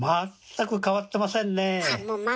全く変わってません。